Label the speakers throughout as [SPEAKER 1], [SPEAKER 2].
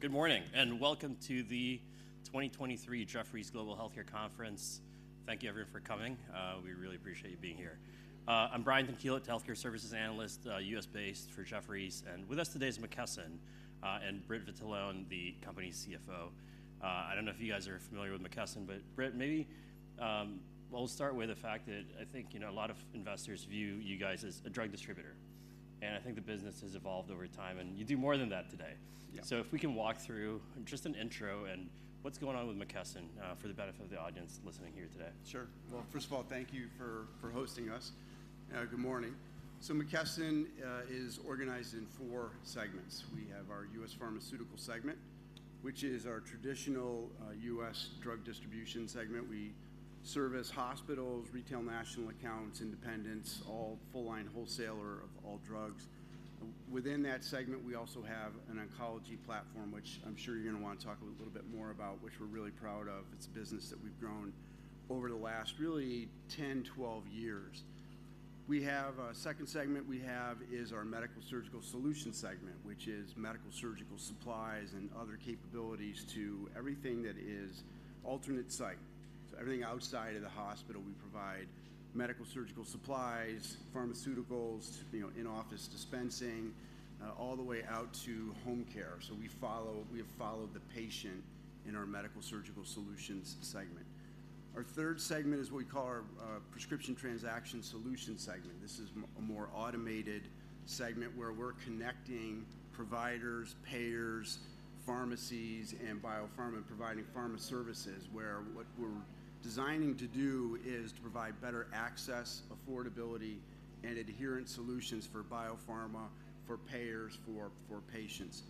[SPEAKER 1] Good morning, and welcome to the 2023 Jefferies Global Healthcare Conference. Thank you, everyone, for coming. We really appreciate you being here. I'm Brian Tanquilut, Healthcare Services Analyst, U.S.-based for Jefferies, and with us today is McKesson, and Britt Vitalone, the company's CFO. I don't know if you guys are familiar with McKesson, but Britt, maybe, well, we'll start with the fact that I think, you know, a lot of investors view you guys as a drug distributor, and I think the business has evolved over time, and you do more than that today.
[SPEAKER 2] Yeah.
[SPEAKER 1] If we can walk through just an intro and what's going on with McKesson, for the benefit of the audience listening here today.
[SPEAKER 2] Sure. Well, first of all, thank you for hosting us. Good morning. So McKesson is organized in four segments. We have our U.S. Pharmaceutical segment, which is our traditional U.S. drug distribution segment. We service hospitals, retail national accounts, independents, all full-line wholesaler of all drugs. Within that segment, we also have an oncology platform, which I'm sure you're gonna wanna talk a little bit more about, which we're really proud of. It's a business that we've grown over the last really 10, 12 years. We have a second segment we have is our Medical Surgical Solution segment, which is medical surgical supplies and other capabilities to everything that is alternate site. So everything outside of the hospital, we provide medical surgical supplies, pharmaceuticals, you know, in-office dispensing, all the way out to home care. So we have followed the patient in our Medical Surgical Solutions segment. Our third segment is what we call our Prescription Transactons Solutions segment. This is a more automated segment where we're connecting providers, payers, pharmacies, and biopharma, and providing pharma services, where what we're designing to do is to provide better access, affordability, and adherence solutions for biopharma, for payers, for patients.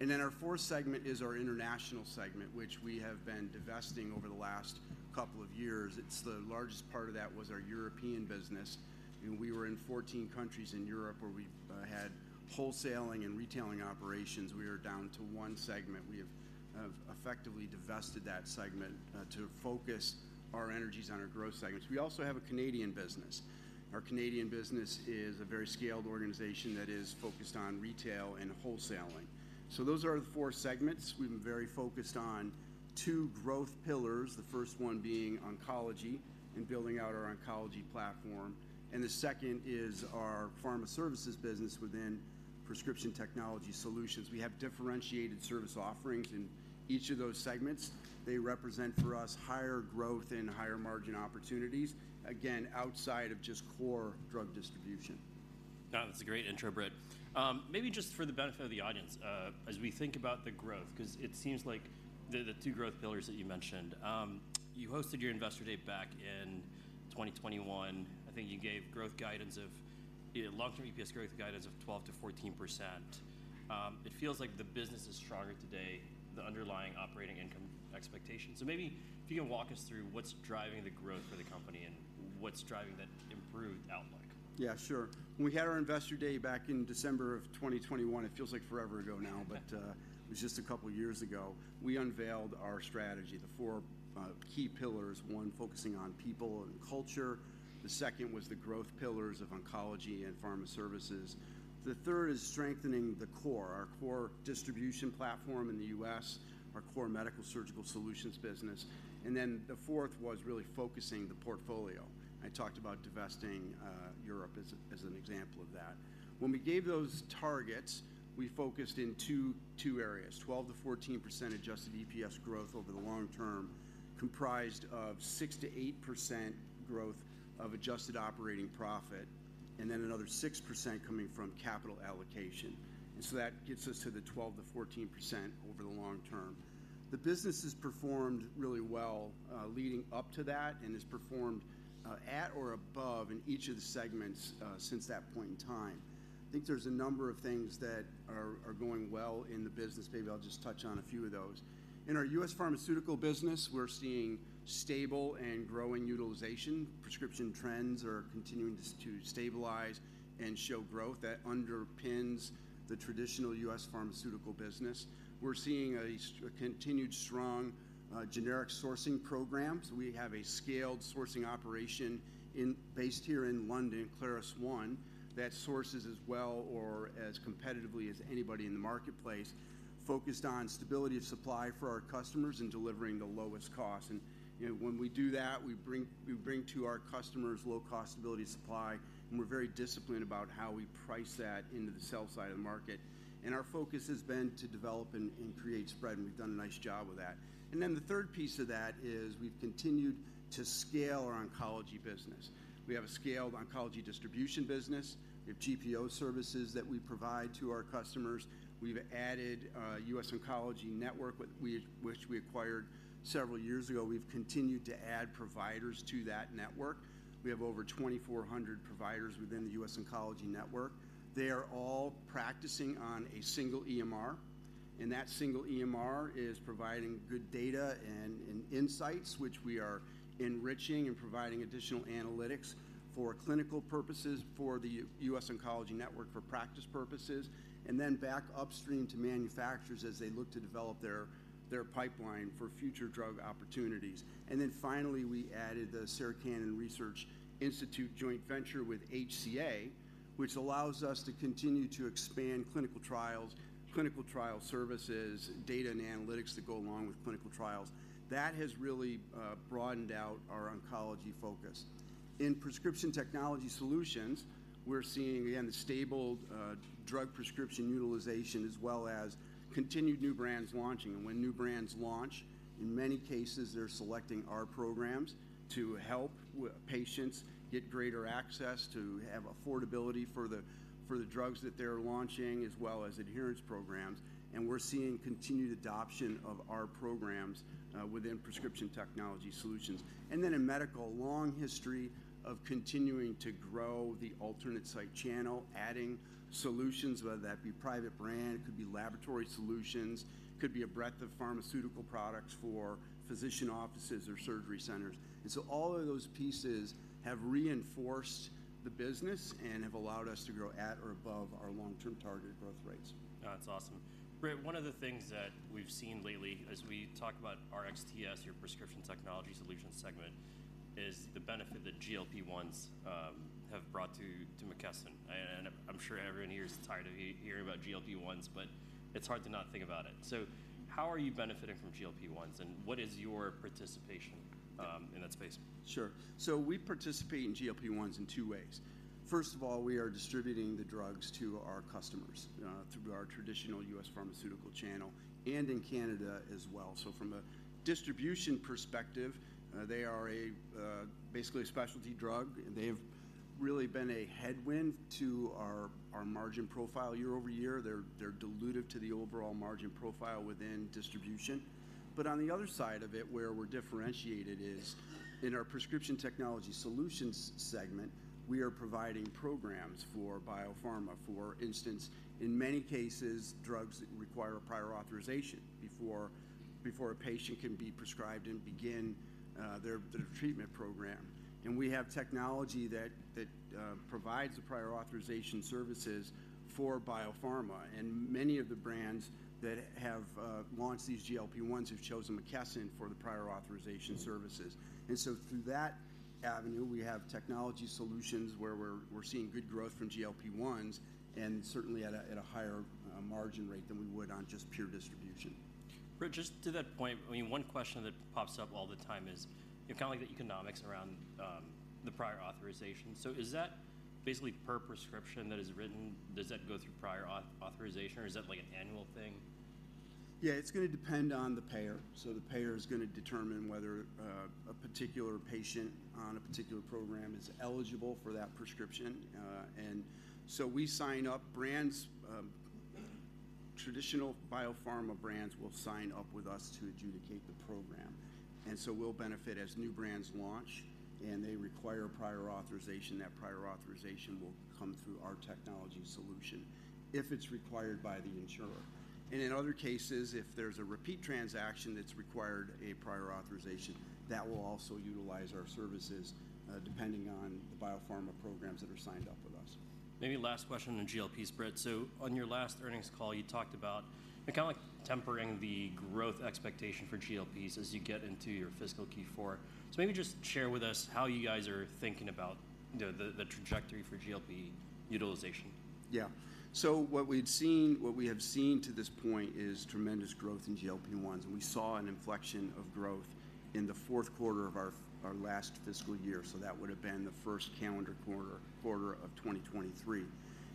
[SPEAKER 2] And then our fourth segment is our International segment, which we have been divesting over the last couple of years. It's the largest part of that was our European business, and we were in 14 countries in Europe where we've had wholesaling and retailing operations. We are down to one segment. We have effectively divested that segment to focus our energies on our growth segments. We also have a Canadian business. Our Canadian business is a very scaled organization that is focused on retail and wholesaling. So those are the four segments. We've been very focused on two growth pillars, the first one being oncology and building out our oncology platform, and the second is our pharma services business within Prescription Technology Solutions. We have differentiated service offerings in each of those segments. They represent for us higher growth and higher margin opportunities, again, outside of just core drug distribution.
[SPEAKER 1] Now, that's a great intro, Britt. Maybe just for the benefit of the audience, as we think about the growth, because it seems like the two growth pillars that you mentioned, you hosted your investor day back in 2021. I think you gave growth guidance of, you know, long-term EPS growth guidance of 12%-14%. It feels like the business is stronger today, the underlying operating income expectations. So maybe if you can walk us through what's driving the growth for the company and what's driving that improved outlook?
[SPEAKER 2] Yeah, sure. When we had our investor day back in December of 2021, it feels like forever ago now, but it was just a couple of years ago, we unveiled our strategy, the four key pillars, one, focusing on people and culture. The second was the growth pillars of oncology and pharma services. The third is strengthening the core, our core distribution platform in the U.S., our core medical surgical solutions business. And then the fourth was really focusing the portfolio. I talked about divesting Europe as an example of that. When we gave those targets, we focused in two areas, 12%-14% adjusted EPS growth over the long term, comprised of 6%-8% growth of adjusted operating profit, and then another 6% coming from capital allocation. And so that gets us to the 12%-14% over the long term. The business has performed really well, leading up to that and has performed at or above in each of the segments since that point in time. I think there's a number of things that are going well in the business. Maybe I'll just touch on a few of those. In our U.S. pharmaceutical business, we're seeing stable and growing utilization. Prescription trends are continuing to stabilize and show growth that underpins the traditional U.S. Pharmaceutical business. We're seeing a continued strong generic sourcing program. So we have a scaled sourcing operation based here in London, ClarusONE, that sources as well or as competitively as anybody in the marketplace, focused on stability of supply for our customers and delivering the lowest cost. You know, when we do that, we bring to our customers low-cost stability of supply, and we're very disciplined about how we price that into the sell side of the market. Our focus has been to develop and create spread, and we've done a nice job with that. Then the third piece of that is we've continued to scale our oncology business. We have a scaled oncology distribution business. We have GPO services that we provide to our customers. We've added US Oncology Network, which we acquired several years ago. We've continued to add providers to that network. We have over 2,400 providers within the US Oncology Network. They are all practicing on a single EMR, and that single EMR is providing good data and insights, which we are enriching and providing additional analytics for clinical purposes, for the US Oncology Network, for practice purposes, and then back upstream to manufacturers as they look to develop their pipeline for future drug opportunities. Then finally, we added the Sarah Cannon Research Institute joint venture with HCA, which allows us to continue to expand clinical trials, clinical trial services, data and analytics that go along with clinical trials. That has really broadened out our oncology focus in Prescription Technology Solutions, we're seeing, again, the stable drug prescription utilization, as well as continued new brands launching. And when new brands launch, in many cases, they're selecting our programs to help patients get greater access, to have affordability for the, for the drugs that they're launching, as well as adherence programs. And we're seeing continued adoption of our programs within Prescription Technology Solutions. And then in medical, a long history of continuing to grow the alternate site channel, adding solutions, whether that be private brand, it could be laboratory solutions, it could be a breadth of pharmaceutical products for physician offices or surgery centers. And so all of those pieces have reinforced the business and have allowed us to grow at or above our long-term targeted growth rates.
[SPEAKER 1] That's awesome. Britt, one of the things that we've seen lately as we talk about RxTS, your Prescription Technology Solutions segment, is the benefit that GLP-1s have brought to McKesson. And I'm sure everyone here is tired of hearing about GLP-1s, but it's hard to not think about it. So how are you benefiting from GLP-1s, and what is your participation in that space?
[SPEAKER 2] Sure. So we participate in GLP-1s in two ways. First of all, we are distributing the drugs to our customers through our traditional U.S. pharmaceutical channel and in Canada as well. So from a distribution perspective, they are basically a specialty drug, and they've really been a headwind to our margin profile year-over-year. They're dilutive to the overall margin profile within distribution. But on the other side of it, where we're differentiated is in our Prescription Technology Solutions segment, we are providing programs for biopharma. For instance, in many cases, drugs require prior authorization before a patient can be prescribed and begin their treatment program. And we have technology that provides the prior authorization services for biopharma, and many of the brands that have launched these GLP-1s have chosen McKesson for the prior authorization services. And so through that avenue, we have technology solutions where we're seeing good growth from GLP-1s and certainly at a higher margin rate than we would on just pure distribution.
[SPEAKER 1] Britt, just to that point, I mean, one question that pops up all the time is kind of like the economics around the prior authorization. So is that basically per prescription that is written, does that go through prior authorization, or is that, like, an annual thing?
[SPEAKER 2] Yeah, it's gonna depend on the payer. So the payer is gonna determine whether a particular patient on a particular program is eligible for that prescription. And so we sign up brands. Traditional biopharma brands will sign up with us to adjudicate the program, and so we'll benefit. As new brands launch and they require prior authorization, that prior authorization will come through our technology solution if it's required by the insurer. And in other cases, if there's a repeat transaction that's required a prior authorization, that will also utilize our services, depending on the biopharma programs that are signed up with us.
[SPEAKER 1] Maybe last question on GLPs, Britt. So on your last earnings call, you talked about kind of like tempering the growth expectation for GLPs as you get into your fiscal Q4. So maybe just share with us how you guys are thinking about, you know, the trajectory for GLP utilization.
[SPEAKER 2] Yeah. So what we've seen—what we have seen to this point is tremendous growth in GLP-1s, and we saw an inflection of growth in the fourth quarter of our our last fiscal year, so that would have been the first calendar quarter of 2023.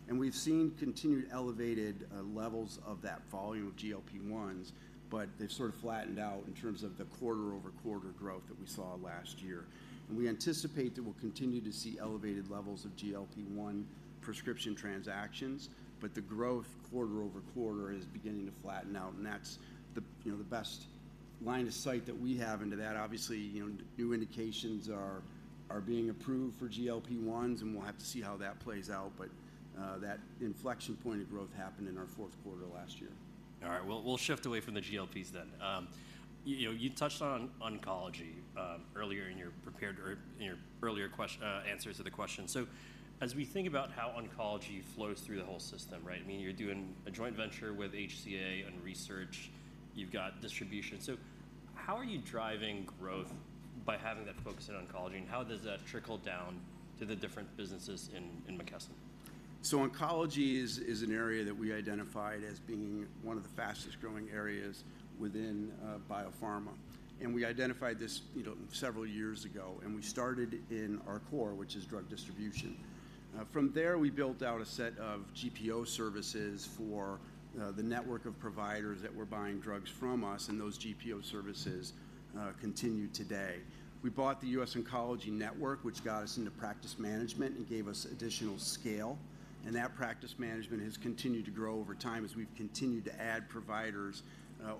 [SPEAKER 2] And we've seen continued elevated levels of that volume of GLP-1s, but they've sort of flattened out in terms of the quarter-over-quarter growth that we saw last year. And we anticipate that we'll continue to see elevated levels of GLP-1 prescription transactions, but the growth quarter-over-quarter is beginning to flatten out, and that's the, you know, the best line of sight that we have into that. Obviously, you know, new indications are being approved for GLP-1s, and we'll have to see how that plays out, but that inflection point of growth happened in our fourth quarter last year.
[SPEAKER 1] All right, we'll shift away from the GLPs then. You know, you touched on oncology earlier in your prepared or in your earlier answer to the question. So as we think about how oncology flows through the whole system, right? I mean, you're doing a joint venture with HCA on research. You've got distribution. So how are you driving growth by having that focus on oncology, and how does that trickle down to the different businesses in McKesson?
[SPEAKER 2] So oncology is an area that we identified as being one of the fastest-growing areas within biopharma, and we identified this, you know, several years ago, and we started in our core, which is drug distribution. From there, we built out a set of GPO services for the network of providers that were buying drugs from us, and those GPO services continue today. We bought the US Oncology Network, which got us into practice management and gave us additional scale, and that practice management has continued to grow over time as we've continued to add providers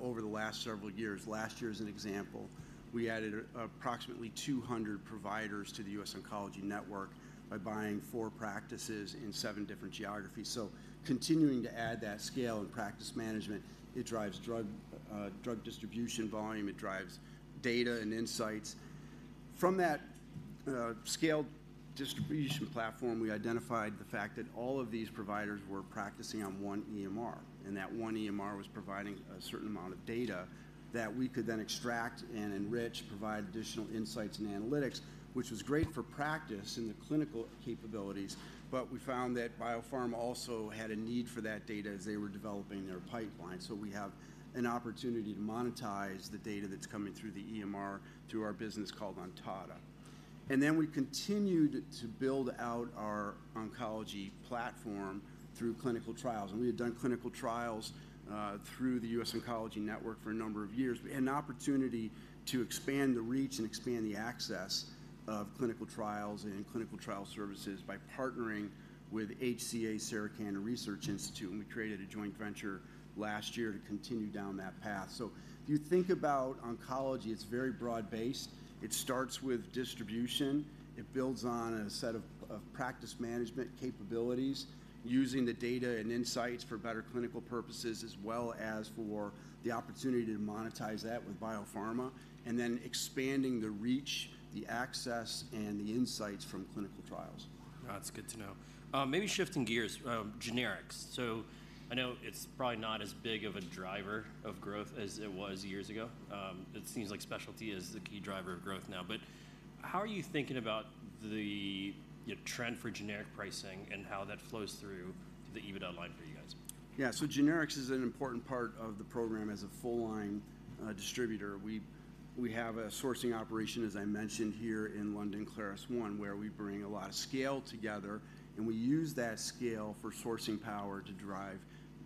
[SPEAKER 2] over the last several years. Last year, as an example, we added approximately 200 providers to the US Oncology Network by buying 4 practices in 7 different geographies. So continuing to add that scale in practice management, it drives drug distribution volume, it drives data and insights. From that scaled distribution platform, we identified the fact that all of these providers were practicing on one EMR, and that one EMR was providing a certain amount of data that we could then extract and enrich, provide additional insights and analytics, which was great for practice and the clinical capabilities, but we found that biopharma also had a need for that data as they were developing their pipeline. So we have an opportunity to monetize the data that's coming through the EMR through our business called Ontada. And then we continued to build out our oncology platform through clinical trials. We had done clinical trials through the US Oncology Network for a number of years, but an opportunity to expand the reach and expand the access of clinical trials and clinical trial services by partnering with HCA Sarah Cannon Research Institute, and we created a joint venture last year to continue down that path. If you think about oncology, it's very broad-based. It starts with distribution. It builds on a set of practice management capabilities, using the data and insights for better clinical purposes, as well as for the opportunity to monetize that with biopharma, and then expanding the reach, the access, and the insights from clinical trials.
[SPEAKER 1] That's good to know. Maybe shifting gears, generics. So I know it's probably not as big of a driver of growth as it was years ago. It seems like specialty is the key driver of growth now. But how are you thinking about the, the trend for generic pricing and how that flows through the EBITDA line for you guys?
[SPEAKER 2] Yeah, so generics is an important part of the program as a full-line distributor. We have a sourcing operation, as I mentioned here in London, ClarusONE, where we bring a lot of scale together, and we use that scale for sourcing power to drive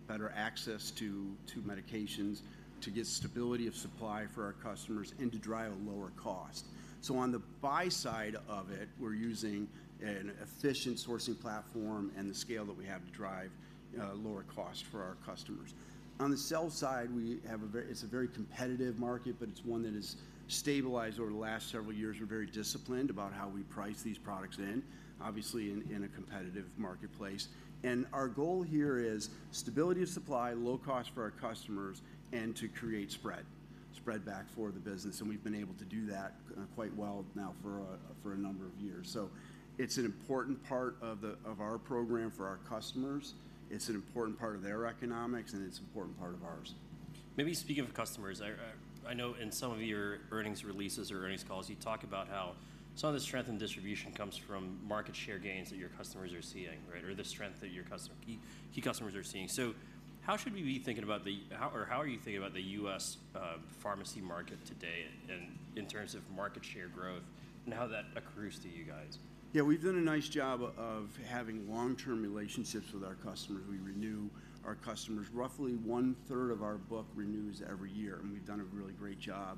[SPEAKER 2] better access to medications, to get stability of supply for our customers, and to drive a lower cost. So on the buy side of it, we're using an efficient sourcing platform and the scale that we have to drive lower cost for our customers. On the sell side, we have a very... It's a very competitive market, but it's one that has stabilized over the last several years. We're very disciplined about how we price these products in, obviously, in a competitive marketplace. Our goal here is stability of supply, low cost for our customers, and to create spread back for the business. And we've been able to do that quite well now for a number of years. So it's an important part of our program for our customers, it's an important part of their economics, and it's an important part of ours.
[SPEAKER 1] Maybe speaking of customers, I know in some of your earnings releases or earnings calls, you talk about how some of the strength and distribution comes from market share gains that your customers are seeing, right? Or the strength that your key customers are seeing. So how should we be thinking about the... How are you thinking about the U.S. pharmacy market today in terms of market share growth and how that accrues to you guys?
[SPEAKER 2] Yeah, we've done a nice job of having long-term relationships with our customers. We renew our customers. Roughly one-third of our book renews every year, and we've done a really great job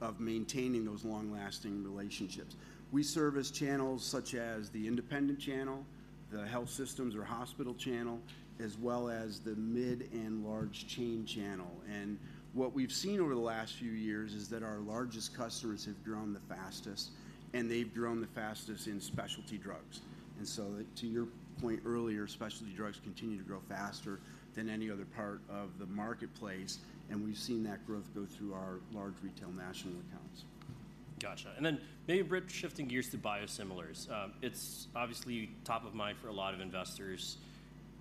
[SPEAKER 2] of maintaining those long-lasting relationships. We serve as channels such as the independent channel, the health systems or hospital channel, as well as the mid and large chain channel. And what we've seen over the last few years is that our largest customers have grown the fastest, and they've grown the fastest in specialty drugs. And so to your point earlier, specialty drugs continue to grow faster than any other part of the marketplace, and we've seen that growth go through our large retail national accounts.
[SPEAKER 1] Gotcha. And then maybe, Britt, shifting gears to biosimilars. It's obviously top of mind for a lot of investors.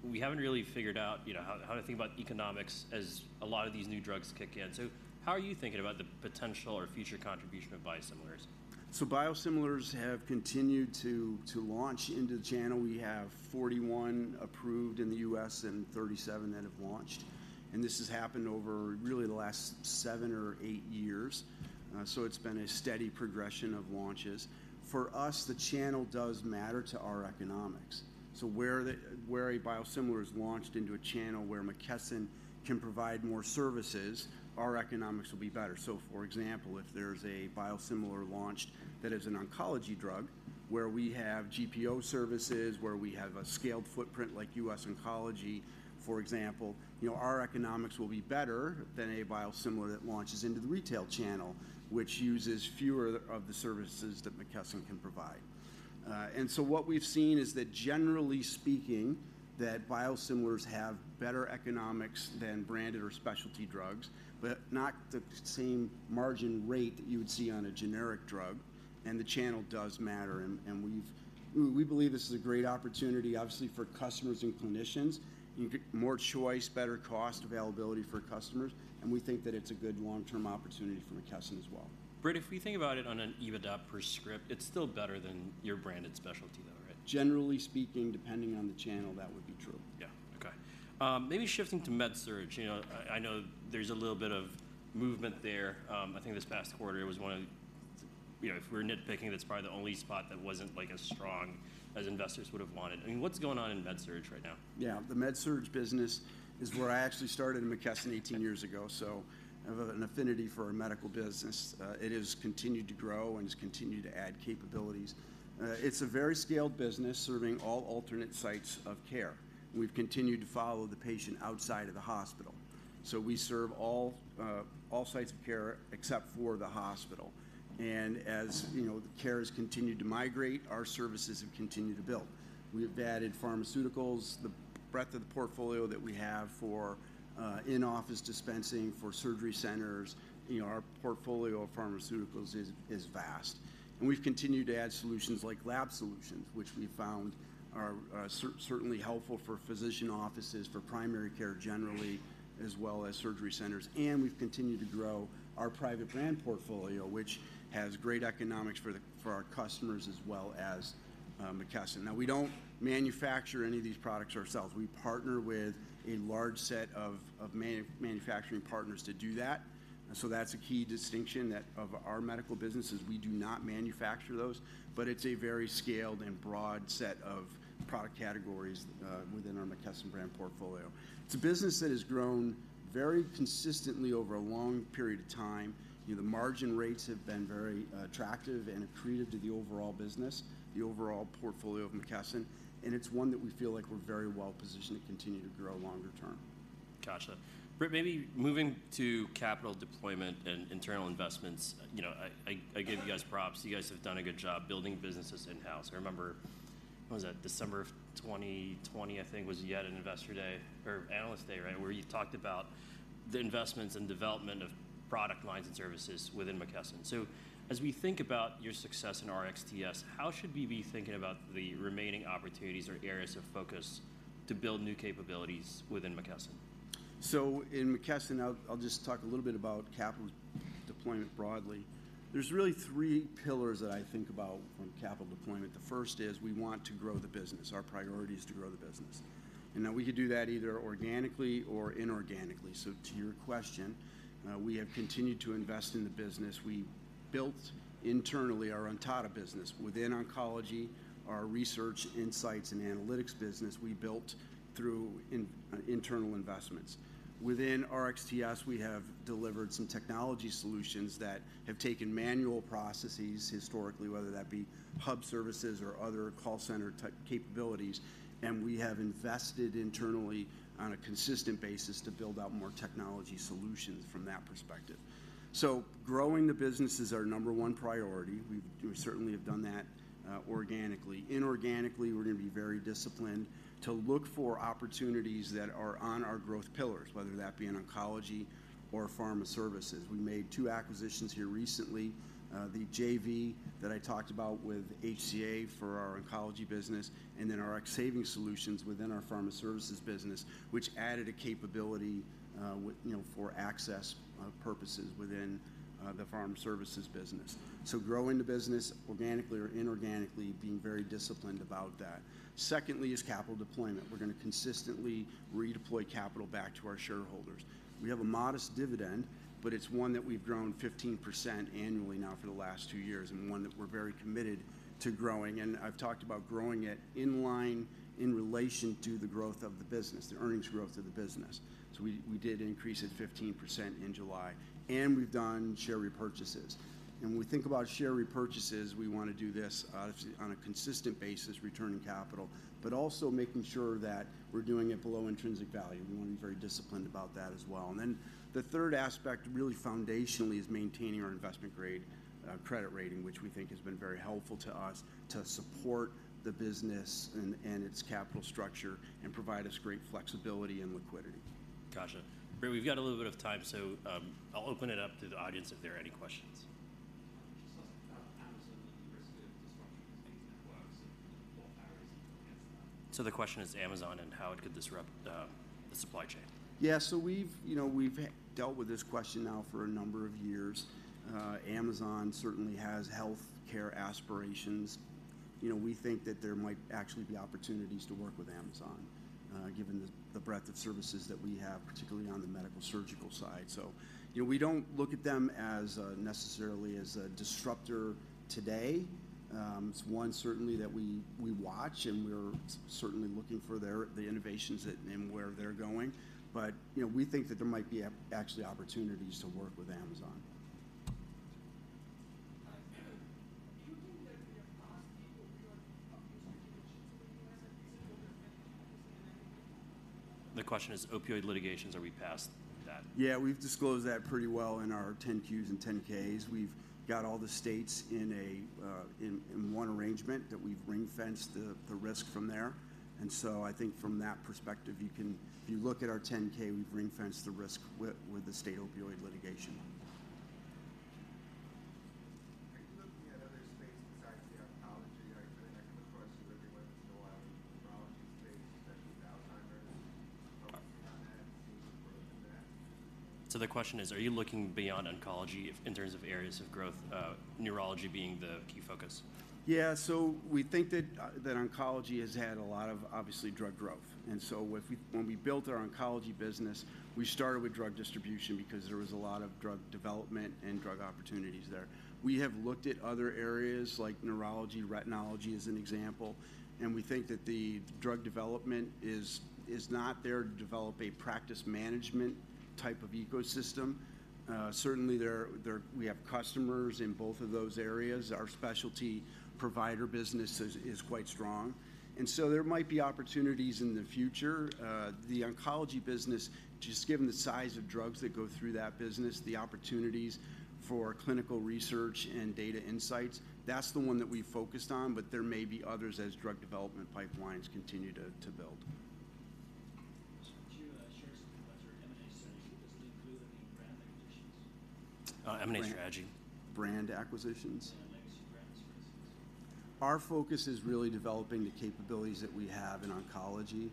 [SPEAKER 1] We haven't really figured out, you know, how to think about economics as a lot of these new drugs kick in. So how are you thinking about the potential or future contribution of biosimilars?
[SPEAKER 2] So biosimilars have continued to launch into the channel. We have 41 approved in the U.S. and 37 that have launched, and this has happened over really the last 7 or 8 years. So it's been a steady progression of launches. For us, the channel does matter to our economics. So where a biosimilar is launched into a channel where McKesson can provide more services, our economics will be better. So, for example, if there's a biosimilar launched that is an oncology drug, where we have GPO services, where we have a scaled footprint like U.S. Oncology, for example, you know, our economics will be better than a biosimilar that launches into the retail channel, which uses fewer of the services that McKesson can provide. And so what we've seen is that, generally speaking, biosimilars have better economics than branded or specialty drugs, but not the same margin rate that you would see on a generic drug, and the channel does matter. And we believe this is a great opportunity, obviously, for customers and clinicians. You get more choice, better cost availability for customers, and we think that it's a good long-term opportunity for McKesson as well.
[SPEAKER 1] Britt, if we think about it on an EBITDA per script, it's still better than your branded specialty, though, right?
[SPEAKER 2] Generally speaking, depending on the channel, that would be true.
[SPEAKER 1] Yeah. Okay. Maybe shifting to MedSurg. You know, I, I know there's a little bit of movement there. I think this past quarter, it was one of... You know, if we're nitpicking, that's probably the only spot that wasn't, like, as strong as investors would have wanted. I mean, what's going on in MedSurg right now?
[SPEAKER 2] Yeah. The MedSurg business is where I actually started in McKesson 18 years ago, so I have an affinity for our medical business. It has continued to grow and has continued to add capabilities. It's a very scaled business serving all alternate sites of care. We've continued to follow the patient outside of the hospital. So we serve all sites of care except for the hospital. And as you know, the care has continued to migrate, our services have continued to build. We have added pharmaceuticals, the breadth of the portfolio that we have for in-office dispensing, for surgery centers. You know, our portfolio of pharmaceuticals is vast. And we've continued to add solutions like lab solutions, which we found are certainly helpful for physician offices, for primary care generally, as well as surgery centers. We've continued to grow our private brand portfolio, which has great economics for the- for our customers, as well as McKesson. Now, we don't manufacture any of these products ourselves. We partner with a large set of manufacturing partners to do that. And so that's a key distinction, that of our medical business, is we do not manufacture those. But it's a very scaled and broad set of product categories within our McKesson brand portfolio. It's a business that has grown very consistently over a long period of time. You know, the margin rates have been very attractive and accretive to the overall business, the overall portfolio of McKesson, and it's one that we feel like we're very well-positioned to continue to grow longer term.
[SPEAKER 1] Gotcha. Britt, maybe moving to capital deployment and internal investments, you know, I give you guys props. You guys have done a good job building businesses in-house. I remember, what was that? December of 2020, I think, was you had an Investor Day or Analyst Day, right, where you talked about the investments and development of product lines and services within McKesson. So as we think about your success in RxTS, how should we be thinking about the remaining opportunities or areas of focus to build new capabilities within McKesson?
[SPEAKER 2] So in McKesson, I'll just talk a little bit about capital deployment broadly. There's really three pillars that I think about when capital deployment. The first is we want to grow the business. Our priority is to grow the business, and now we could do that either organically or inorganically. So to your question, we have continued to invest in the business. We built internally our Ontada business. Within oncology, our research, insights, and analytics business, we built through internal investments. Within RxTS, we have delivered some technology solutions that have taken manual processes historically, whether that be hub services or other call center-type capabilities, and we have invested internally on a consistent basis to build out more technology solutions from that perspective. So growing the business is our number one priority. We've certainly have done that, organically. Inorganically, we're gonna be very disciplined to look for opportunities that are on our growth pillars, whether that be in oncology or pharma services. We made two acquisitions here recently, the JV that I talked about with HCA for our oncology business, and then our Rx Savings Solutions within our pharma services business, which added a capability, with, you know, for access, purposes within, the pharma services business. So growing the business organically or inorganically, being very disciplined about that. Secondly is capital deployment. We're gonna consistently redeploy capital back to our shareholders. We have a modest dividend, but it's one that we've grown 15% annually now for the last two years, and one that we're very committed to growing, and I've talked about growing it in line, in relation to the growth of the business, the earnings growth of the business. So we, we did increase it 15% in July, and we've done share repurchases. And when we think about share repurchases, we wanna do this on a consistent basis, returning capital, but also making sure that we're doing it below intrinsic value. We wanna be very disciplined about that as well. And then the third aspect, really foundationally, is maintaining our investment-grade credit rating, which we think has been very helpful to us to support the business and its capital structure and provide us great flexibility and liquidity.
[SPEAKER 1] Gotcha. Britt, we've got a little bit of time, so, I'll open it up to the audience if there are any questions.
[SPEAKER 3] Can I just ask about Amazon and the risk of disruption to existing networks and what barriers are you against that?
[SPEAKER 1] So the question is Amazon and how it could disrupt the supply chain.
[SPEAKER 2] Yeah, so we've, you know, we've dealt with this question now for a number of years. Amazon certainly has healthcare aspirations. You know, we think that there might actually be opportunities to work with Amazon, given the breadth of services that we have, particularly on the medical surgical side. So, you know, we don't look at them as necessarily as a disruptor today. It's one certainly that we watch, and we're certainly looking for their innovations and where they're going. But, you know, we think that there might be actually opportunities to work with Amazon.
[SPEAKER 3] Do you think that the past opioid litigations with the U.S. has been or there's anything in it?
[SPEAKER 1] The question is opioid litigations, are we past that?
[SPEAKER 2] Yeah, we've disclosed that pretty well in our 10-Qs and 10-Ks. We've got all the states in one arrangement that we've ring-fenced the risk from there. And so I think from that perspective, you can, if you look at our 10-K, we've ring-fenced the risk with the state opioid litigation.
[SPEAKER 3] Are you looking at other spaces besides the oncology? I come across you reading whether it's neurology space, especially with Alzheimer's. Focusing on that, seeing growth in that?
[SPEAKER 1] The question is, are you looking beyond oncology in terms of areas of growth, neurology being the key focus?
[SPEAKER 2] Yeah. So we think that that oncology has had a lot of, obviously, drug growth. And so when we, when we built our oncology business, we started with drug distribution because there was a lot of drug development and drug opportunities there. We have looked at other areas like neurology, retinopathy as an example, and we think that the drug development is, is not there to develop a practice management type of ecosystem. Certainly there we have customers in both of those areas. Our specialty provider business is, is quite strong, and so there might be opportunities in the future. The oncology business, just given the size of drugs that go through that business, the opportunities for clinical research and data insights, that's the one that we've focused on, but there may be others as drug development pipelines continue to build.
[SPEAKER 3] To share some of your M&A strategy, does it include any brand acquisitions?
[SPEAKER 1] M&A strategy.
[SPEAKER 2] Brand acquisitions?
[SPEAKER 3] Yeah, legacy brands, for instance.
[SPEAKER 2] Our focus is really developing the capabilities that we have in oncology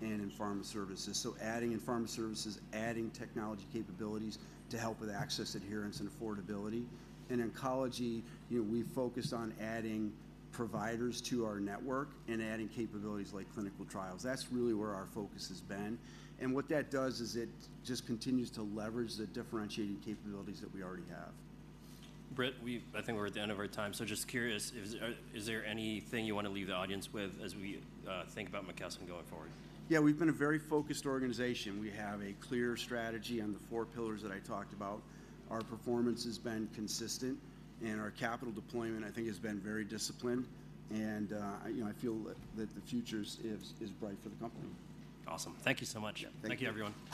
[SPEAKER 2] and in pharma services. So adding in pharma services, adding technology capabilities to help with access, adherence, and affordability. In oncology, you know, we've focused on adding providers to our network and adding capabilities like clinical trials. That's really where our focus has been, and what that does is it just continues to leverage the differentiating capabilities that we already have.
[SPEAKER 1] Britt, we've I think we're at the end of our time, so just curious, is there anything you want to leave the audience with as we think about McKesson going forward?
[SPEAKER 2] Yeah, we've been a very focused organization. We have a clear strategy on the four pillars that I talked about. Our performance has been consistent, and our capital deployment, I think, has been very disciplined, and, you know, I feel that the future is bright for the company.
[SPEAKER 1] Awesome. Thank you so much.
[SPEAKER 2] Yeah. Thank you.
[SPEAKER 1] Thank you, everyone.